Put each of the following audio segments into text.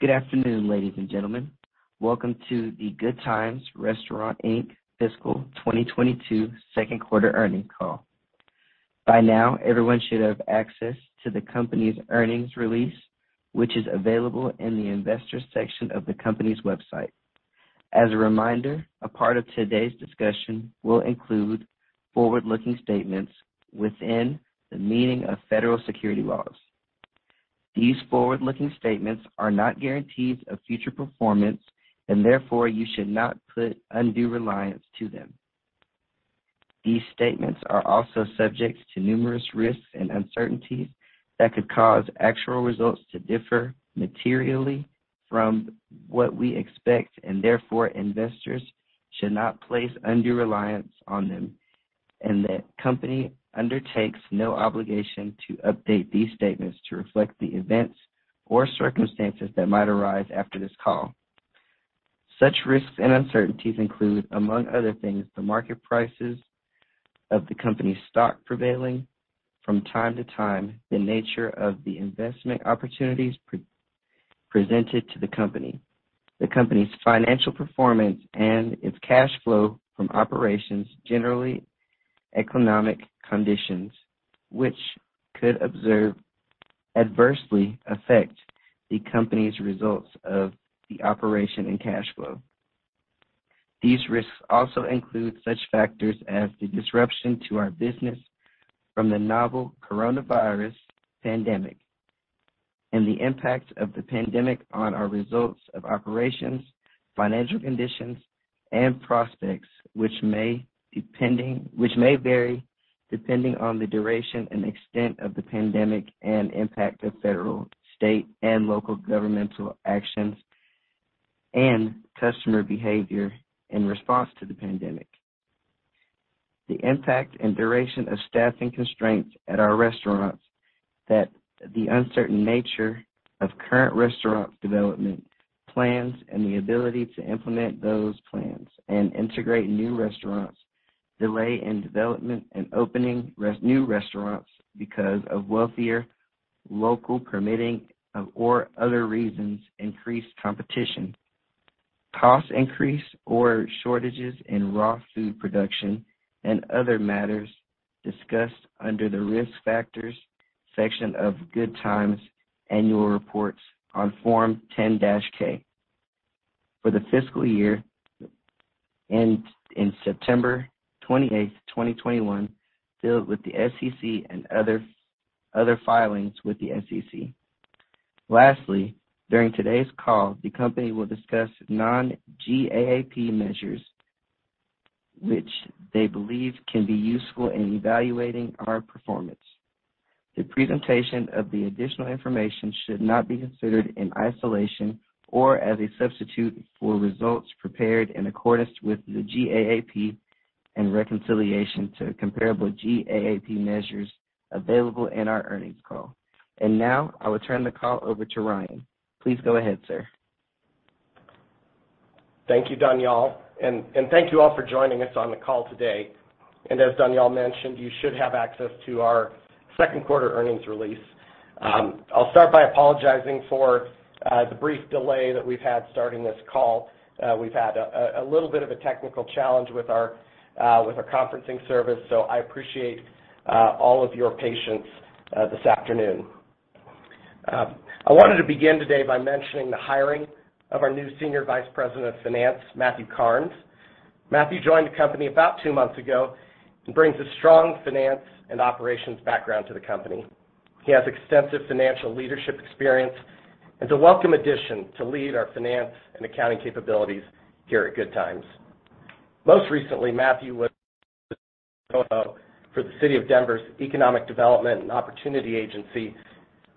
Good afternoon, ladies and gentlemen. Welcome to the Good Times Restaurants Inc. fiscal 2022 second quarter earnings call. By now, everyone should have access to the company's earnings release, which is available in the Investors section of the company's website. As a reminder, a part of today's discussion will include forward-looking statements within the meaning of federal securities laws. These forward-looking statements are not guarantees of future performance, and therefore, you should not put undue reliance on them. These statements are also subject to numerous risks and uncertainties that could cause actual results to differ materially from what we expect. Therefore, investors should not place undue reliance on them, and the company undertakes no obligation to update these statements to reflect the events or circumstances that might arise after this call. Such risks and uncertainties include, among other things, the market prices of the company's stock prevailing from time to time, the nature of the investment opportunities presented to the company. The company's financial performance and its cash flow from operations, general economic conditions which could adversely affect the company's results of operations and cash flow. These risks also include such factors as the disruption to our business from the Novel Coronavirus pandemic and the impact of the pandemic on our results of operations, financial condition, and prospects, which may vary depending on the duration and extent of the pandemic and impact of federal, state, and local governmental actions and customer behavior in response to the pandemic. The impact and duration of staffing constraints at our restaurants, the uncertain nature of current restaurant development plans and the ability to implement those plans and integrate new restaurants, delay in development and opening new restaurants because of weather, local permitting, or other reasons, increased competition, cost increases or shortages in raw food production, and other matters discussed under the Risk Factors section of Good Times annual reports on Form 10-K for the fiscal year ended September 28, 2021, filed with the SEC and other filings with the SEC. Lastly, during today's call, the company will discuss non-GAAP measures which they believe can be useful in evaluating our performance. The presentation of the additional information should not be considered in isolation or as a substitute for results prepared in accordance with the GAAP in reconciliation to comparable GAAP measures available in our earnings call. Now I will turn the call over to Ryan. Please go ahead, sir. Thank you, Daniel, and thank you all for joining us on the call today. As Daniel mentioned, you should have access to our second quarter earnings release. I'll start by apologizing for the brief delay that we've had starting this call. We've had a little bit of a technical challenge with our conferencing service, so I appreciate all of your patience this afternoon. I wanted to begin today by mentioning the hiring of our new Senior Vice President of Finance, Matthew Karnes. Matthew joined the companyabout two months ago and brings a strong finance and operations background to the company. He has extensive financial leadership experience and a welcome addition to lead our finance and accounting capabilities here at Good Times. Most recently, Matthew was COO for the city of Denver's Economic Development and Opportunity,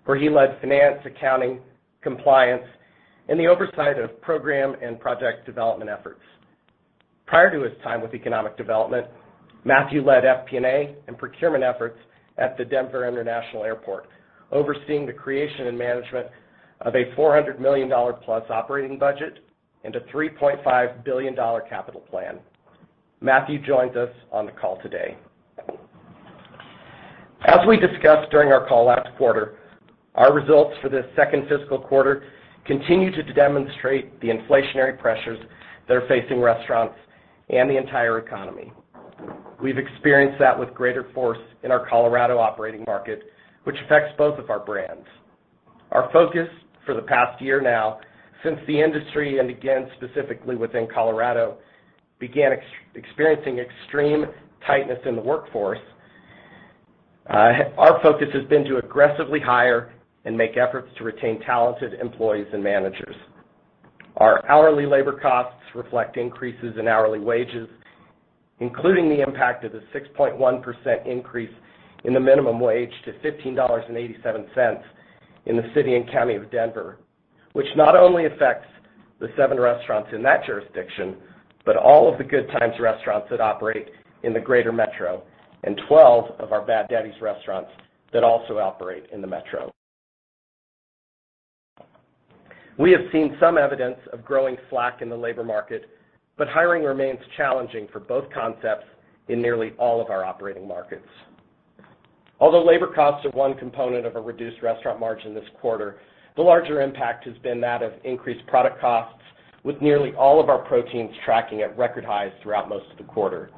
where he led finance, accounting, compliance, and the oversight of program and project development efforts. Prior to his time with economic development, Matthew led FP&A and procurement efforts at the Denver International Airport, overseeing the creation and management of a $400 million+ operating budget and a $3.5 billion capital plan. Matthew joins us on the call today. As we discussed during our call last quarter, our results for this second fiscal quarter continue to demonstrate the inflationary pressures that are facing restaurants and the entire economy. We've experienced that with greater force in our Colorado operating market, which affects both of our brands. Our focus for the past year now, since the industry, and again specifically within Colorado, began experiencing extreme tightness in the workforce, our focus has been to aggressively hire and make efforts to retain talented employees and managers. Our hourly labor costs reflect increases in hourly wages, including the impact of the 6.1% increase in the minimum wage to $15.87 in the City and County of Denver, which not only affects the seven restaurants in that jurisdiction, but all of the Good Times Restaurants that operate in the Greater Metro and 12 of our Bad Daddy's Restaurants that also operate in the Metro. We have seen some evidence of growing slack in the labor market, but hiring remains challenging for both concepts in nearly all of our operating markets. Although labor costs are one component of a reduced restaurant margin this quarter, the larger impact has been that of increased product costs, with nearly all of our proteins tracking at record highs throughout most of the quarter.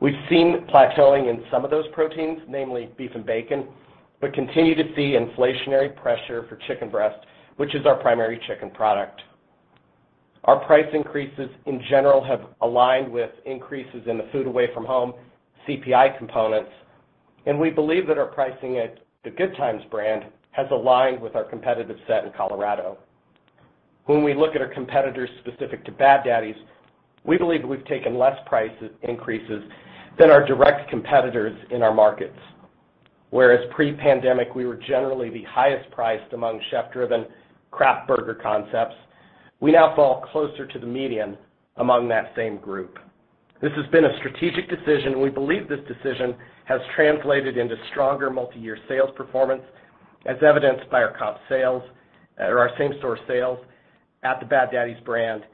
We've seen plateauing in some of those proteins, namely beef and bacon, but continue to see inflationary pressure for chicken breast, which is our primary chicken product. Our price increases in general have aligned with increases in the food away from home CPI components, and we believe that our pricing at the Good Times brand has aligned with our competitive set in Colorado. When we look at our competitors specific to Bad Daddy's, we believe we've taken less price increases than our direct competitors in our markets. Whereas pre-pandemic, we were generally the highest priced among chef-driven craft burger concepts, we now fall closer to the median among that same group. This has been a strategic decision. We believe this decision has translated into stronger multi-year sales performance, as evidenced by our comp sales or our same store sales at the Bad Daddy's brand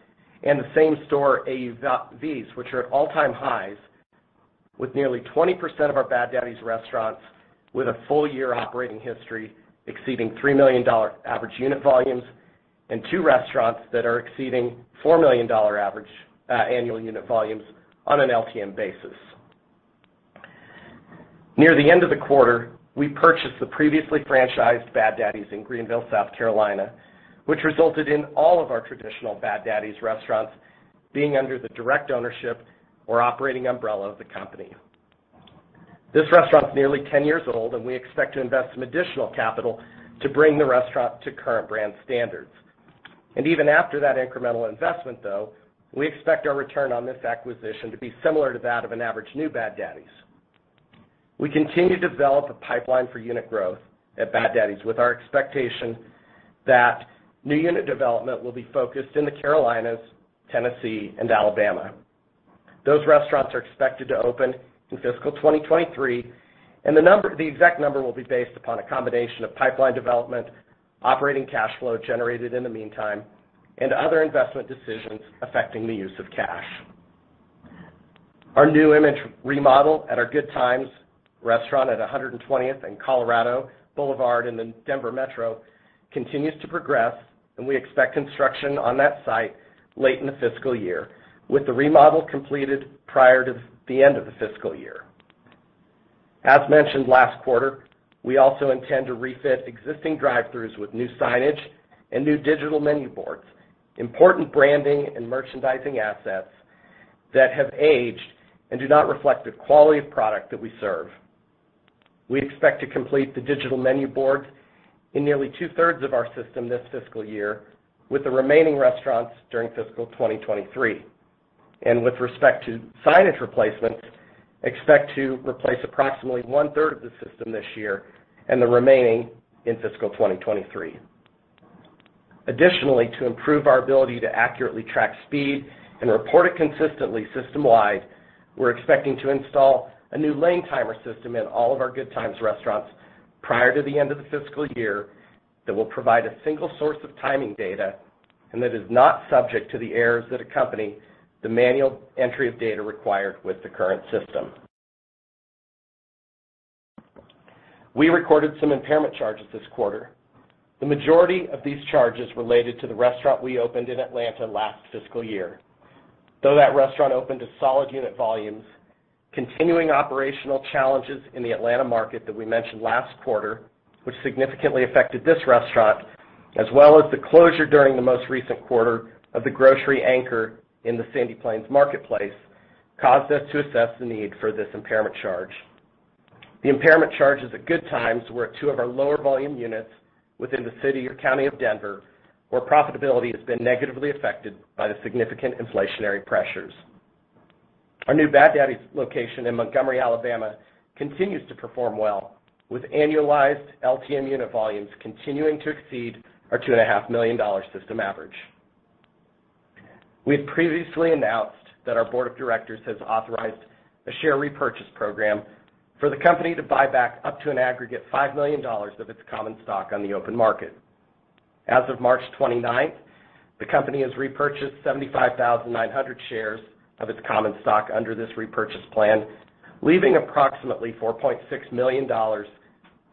and the same store AVs, which are at all-time highs, with nearly 20% of our Bad Daddy's restaurants with a full year operating history exceeding $3 million average unit volumes and two restaurants that are exceeding $4 million average annual unit volumes on an LTM basis. Near the end of the quarter, we purchased the previously franchised Bad Daddy's in Greenville, South Carolina, which resulted in all of our traditional Bad Daddy's restaurants being under the direct ownership or operating umbrella of the company. This restaurant is nearly 10 years old, and we expect to invest some additional capital to bring the restaurant to current brand standards. Even after that incremental investment, though, we expect our return on this acquisition to be similar to that of an average new Bad Daddy's. We continue to develop a pipeline for unit growth at Bad Daddy's, with our expectation that new unit development will be focused in the Carolinas, Tennessee, and Alabama. Those restaurants are expected to open in fiscal 2023, and the exact number will be based upon a combination of pipeline development, operating cash flow generated in the meantime, and other investment decisions affecting the use of cash. Our new image remodel at our Good Times restaurant at 120th and Colorado Boulevard in the Denver Metro continues to progress, and we expect construction on that site late in the fiscal year, with the remodel completed prior to the end of the fiscal year. As mentioned last quarter, we also intend to refit existing drive-throughs with new signage and new digital menu boards, important branding and merchandising assets that have aged and do not reflect the quality of product that we serve. We expect to complete the digital menu board in nearly two-thirds of our system this fiscal year, with the remaining restaurants during fiscal 2023. With respect to signage replacements, expect to replace approximately one-third of the system this year and the remaining in fiscal 2023. Additionally, to improve our ability to accurately track speed and report it consistently system-wide, we're expecting to install a new lane timer system in all of our Good Times restaurants prior to the end of the fiscal year that will provide a single source of timing data and that is not subject to the errors that accompany the manual entry of data required with the current system. We recorded some impairment charges this quarter. The majority of these charges related to the restaurant we opened in Atlanta last fiscal year. Though that restaurant opened to solid unit volumes, continuing operational challenges in the Atlanta market that we mentioned last quarter, which significantly affected this restaurant, as well as the closure during the most recent quarter of the grocery anchor in the Sandy Plains marketplace, caused us to assess the need for this impairment charge. The impairment charges at Good Times were at two of our lower volume units within the City and County of Denver, where profitability has been negatively affected by the significant inflationary pressures. Our new Bad Daddy's location in Montgomery, Alabama, continues to perform well, with annualized LTM unit volumes continuing to exceed our $2.5 million system average. We have previously announced that our board of directors has authorized a share repurchase program for the company to buy back up to an aggregate $5 million of its common stock on the open market. As of March 29, the company has repurchased 75,900 shares of its common stock under this repurchase plan, leaving approximately $4.6 million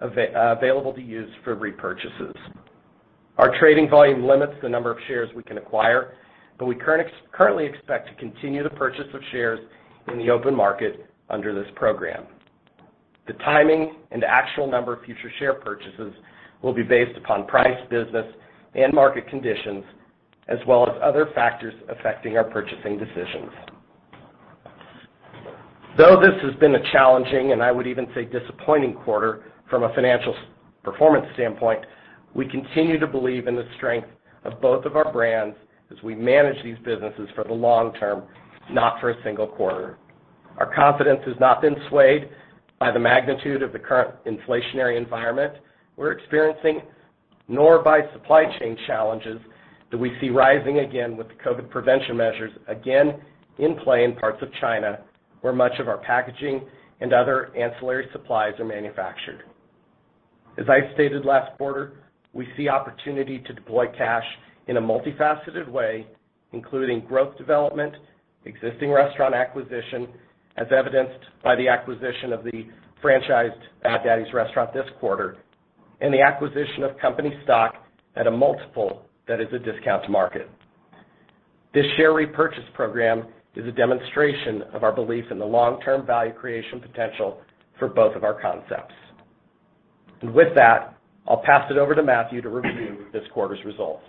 available to use for repurchases. Our trading volume limits the number of shares we can acquire, but we currently expect to continue the purchase of shares in the open market under this program. The timing and actual number of future share purchases will be based upon price, business, and market conditions, as well as other factors affecting our purchasing decisions. Though this has been a challenging, and I would even say disappointing quarter from a financial performance standpoint, we continue to believe in the strength of both of our brands as we manage these businesses for the long term, not for a single quarter. Our confidence has not been swayed by the magnitude of the current inflationary environment we're experiencing, nor by supply chain challenges that we see rising again with the COVID prevention measures again in play in parts of China, where much of our packaging and other ancillary supplies are manufactured. As I stated last quarter, we see opportunity to deploy cash in a multifaceted way, including growth development, existing restaurant acquisition, as evidenced by the acquisition of the franchised Bad Daddy's restaurant this quarter, and the acquisition of company stock at a multiple that is a discount to market. This share repurchase program is a demonstration of our belief in the long-term value creation potential for both of our concepts. With that, I'll pass it over to Matthew to review this quarter's results.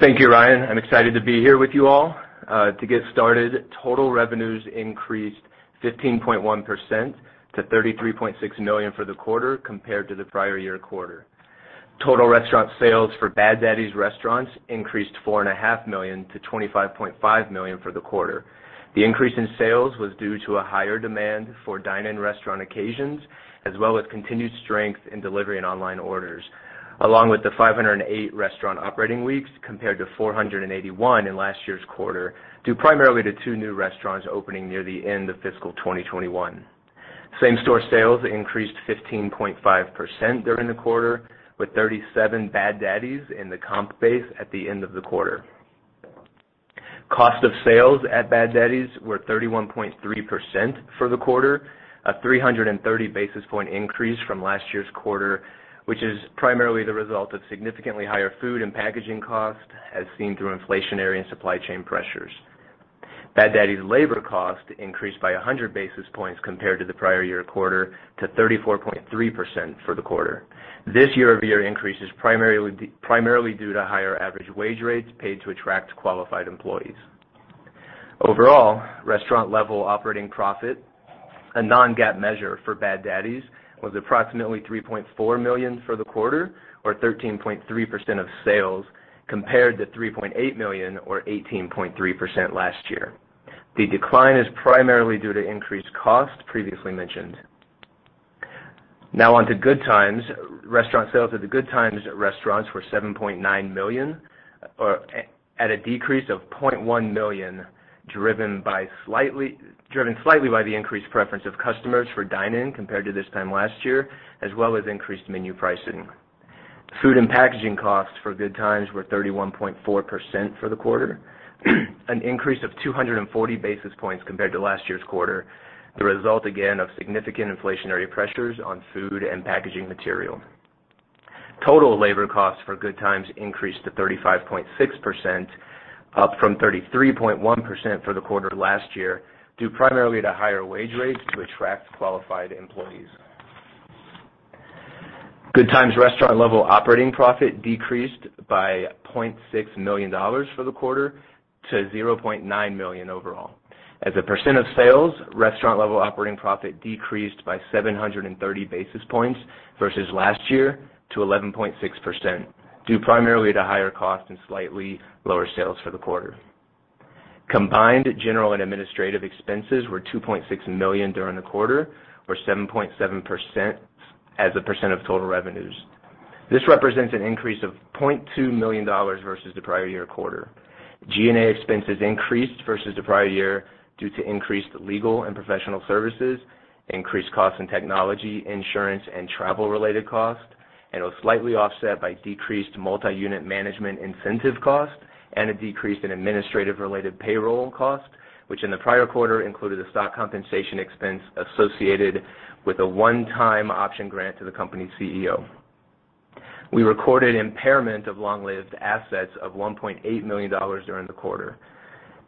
Thank you, Ryan. I'm excited to be here with you all. To get started, total revenues increased 15.1% to $33.6 million for the quarter compared to the prior year quarter. Total restaurant sales for Bad Daddy's restaurants increased $4.5 million to $25.5 million for the quarter. The increase in sales was due to a higher demand for dine-in restaurant occasions, as well as continued strength in delivery and online orders, along with the 508 restaurant operating weeks, compared to 481 in last year's quarter, due primarily to two new restaurants opening near the end of fiscal 2021. Same-store sales increased 15.5% during the quarter, with 37 Bad Daddy's in the comp base at the end of the quarter. Cost of sales at Bad Daddy's were 31.3% for the quarter, a 330 basis point increase from last year's quarter, which is primarily the result of significantly higher food and packaging costs as seen through inflationary and supply chain pressures. Bad Daddy's labor cost increased by 100 basis points compared to the prior year quarter to 34.3% for the quarter. This year-over-year increase is primarily due to higher average wage rates paid to attract qualified employees. Overall, restaurant level operating profit, a non-GAAP measure for Bad Daddy's, was approximately $3.4 million for the quarter or 13.3% of sales compared to $3.8 million or 18.3% last year. The decline is primarily due to increased costs previously mentioned. Now on to Good Times. Restaurant sales at the Good Times restaurants were $7.9 million, at a decrease of $0.1 million, driven slightly by the increased preference of customers for dine-in compared to this time last year, as well as increased menu pricing. Food and packaging costs for Good Times were 31.4% for the quarter, an increase of 240 basis points compared to last year's quarter, the result again of significant inflationary pressures on food and packaging material. Total labor costs for Good Times increased to 35.6%, up from 33.1% for the quarter last year, due primarily to higher wage rates to attract qualified employees. Good Times restaurant level operating profit decreased by $0.6 million for the quarter to $0.9 million overall. As a percent of sales, restaurant level operating profit decreased by 730 basis points versus last year to 11.6%, due primarily to higher cost and slightly lower sales for the quarter. Combined, general and administrative expenses were $2.6 million during the quarter or 7.7% as a percent of total revenues. This represents an increase of $0.2 million versus the prior year quarter. G&A expenses increased versus the prior year due to increased legal and professional services, increased costs in technology, insurance, and travel related costs, and it was slightly offset by decreased multi-unit management incentive costs and a decrease in administrative related payroll costs, which in the prior quarter included a stock compensation expense associated with a one-time option grant to the company's CEO. We recorded impairment of long-lived assets of $1.8 million during the quarter.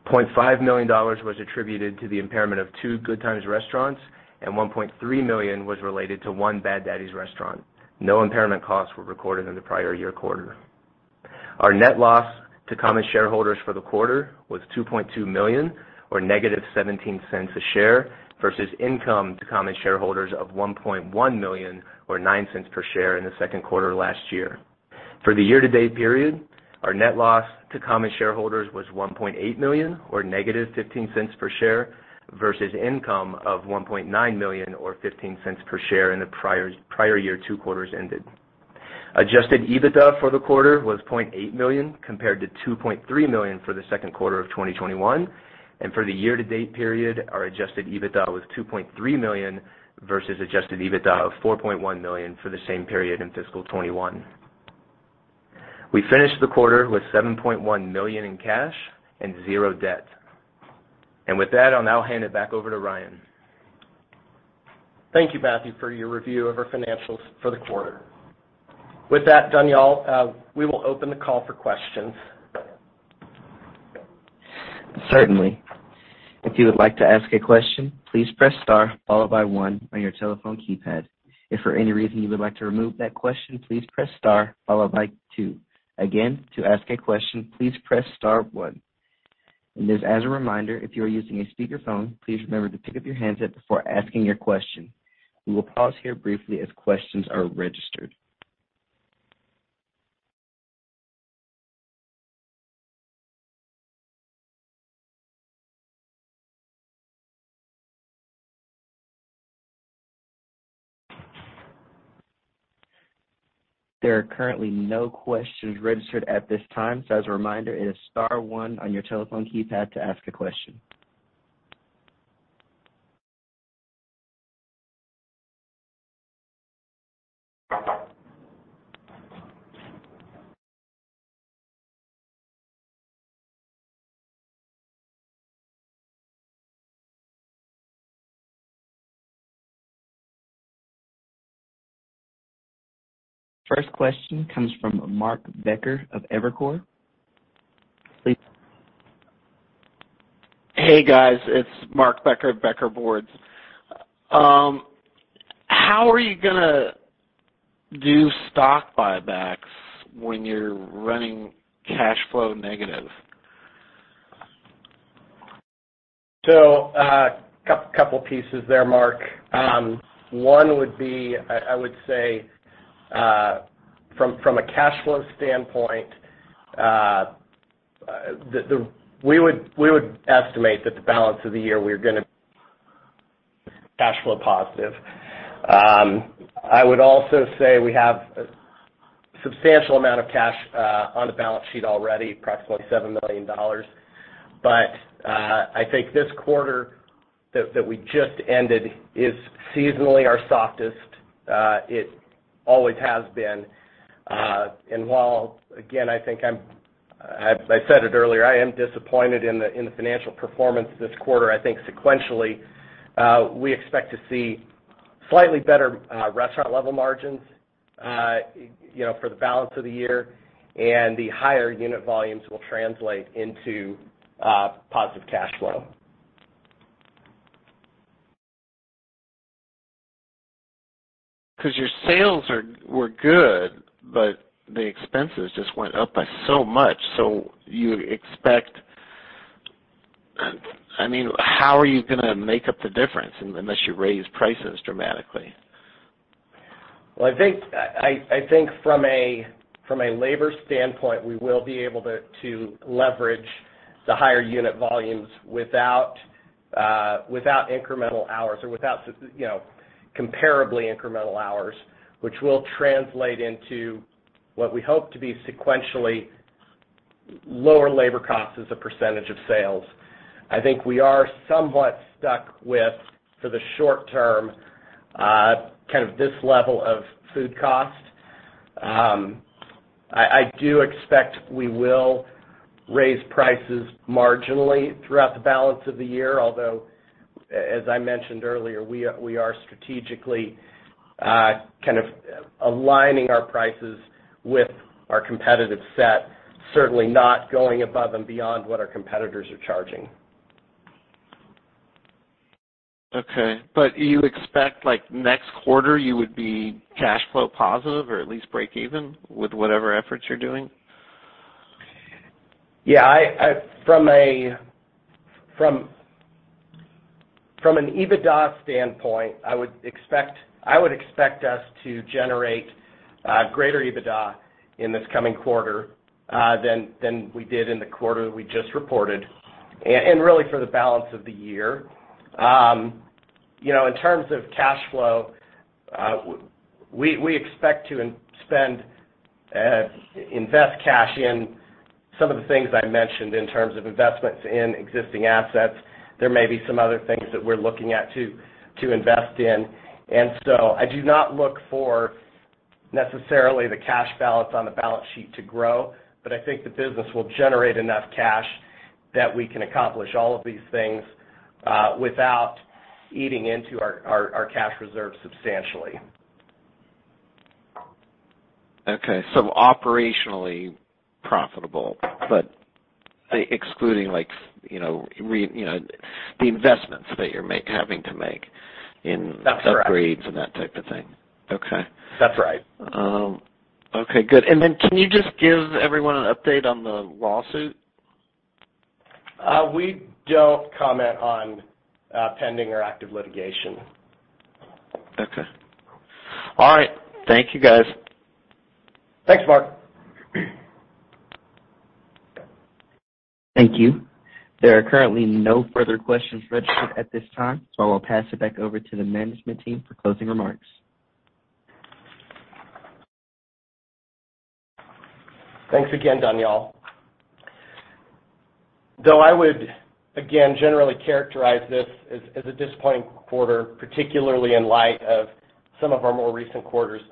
$0.5 million was attributed to the impairment of two Good Times restaurants, and $1.3 million was related to one Bad Daddy's restaurant. No impairment costs were recorded in the prior year quarter. Our net loss to common shareholders for the quarter was $2.2 million or -$0.17 per share versus income to common shareholders of $1.1 million or $0.09 per share in the second quarter last year. For the year-to-date period, our net loss to common shareholders was $1.8 million or -$0.15 per share versus income of $1.9 million or $0.15 per share in the prior year two quarters ended. Adjusted EBITDA for the quarter was $0.8 million compared to $2.3 million for the second quarter of 2021. For the year-to-date period, our Adjusted EBITDA was $2.3 million versus Adjusted EBITDA of $4.1 million for the same period in fiscal 2021. We finished the quarter with $7.1 million in cash and zero debt. With that, I'll now hand it back over to Ryan. Thank you, Matthew, for your review of our financials for the quarter. With that done, y'all, we will open the call for questions. Certainly. If you would like to ask a question, please press star followed by one on your telephone keypad. If for any reason you would like to remove that question, please press star followed by two. Again, to ask a question, please press star one. Just as a reminder, if you are using a speakerphone, please remember to pick up your handset before asking your question. We will pause here briefly as questions are registered. There are currently no questions registered at this time. As a reminder, it is star one on your telephone keypad to ask a question. First question comes from Marc Becker of Becker Boards. Please- Hey, guys, it's Marc Becker of Becker Boards. How are you gonna do stock buybacks when you're running cash flow negative? Couple pieces there, Marc. One would be, I would say, from a cash flow standpoint, we would estimate that the balance of the year we're gonna cash flow positive. I would also say we have a substantial amount of cash on the balance sheet already, approximately $7 million. I think this quarter we just ended is seasonally our softest. It always has been. While, again, I think as I said it earlier, I am disappointed in the financial performance this quarter. I think sequentially, we expect to see slightly better restaurant level margins, you know, for the balance of the year, and the higher unit volumes will translate into positive cash flow. 'Cause your sales were good, but the expenses just went up by so much. You expect, I mean, how are you gonna make up the difference unless you raise prices dramatically? I think from a labor standpoint, we will be able to leverage the higher unit volumes without incremental hours or without comparably incremental hours, which will translate into what we hope to be sequentially lower labor costs as a percentage of sales. I think we are somewhat stuck with, for the short term, kind of this level of food cost. I do expect we will raise prices marginally throughout the balance of the year, although as I mentioned earlier, we are strategically kind of aligning our prices with our competitive set, certainly not going above and beyond what our competitors are charging. Okay, you expect like next quarter, you would be cash flow positive or at least break even with whatever efforts you're doing? Yeah, from an EBITDA standpoint, I would expect us to generate greater EBITDA in this coming quarter than we did in the quarter we just reported and really for the balance of the year. You know, in terms of cash flow, we expect to invest cash in some of the things I mentioned in terms of investments in existing assets. There may be some other things that we're looking at to invest in. I do not look for necessarily the cash balance on the balance sheet to grow, but I think the business will generate enough cash that we can accomplish all of these things without eating into our cash reserves substantially. Okay, operationally profitable, but excluding like, you know, the investments that you're having to make in- That's correct. upgrades and that type of thing. Okay. That's right. Okay, good. Can you just give everyone an update on the lawsuit? We don't comment on pending or active litigation. Okay. All right. Thank you, guys. Thanks, Marc. Thank you. There are currently no further questions registered at this time, so I'll pass it back over to the management team for closing remarks. Thanks again, Daniel. Though I would again generally characterize this as a disappointing quarter, particularly in light of some of our more recent quarters.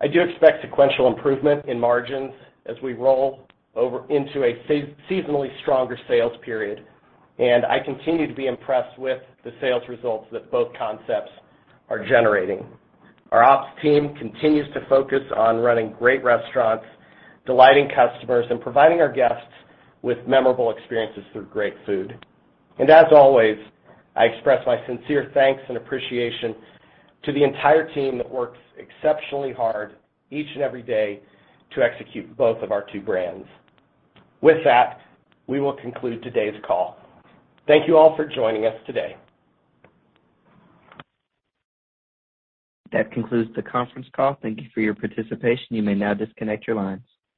I do expect sequential improvement in margins as we roll over into a seasonally stronger sales period, and I continue to be impressed with the sales results that both concepts are generating. Our Ops team continues to focus on running great restaurants, delighting customers, and providing our guests with memorable experiences through great food. As always, I express my sincere thanks and appreciation to the entire team that works exceptionally hard each and every day to execute both of our two brands. With that, we will conclude today's call. Thank you all for joining us today. That concludes the conference call. Thank you for your participation. You may now disconnect your lines.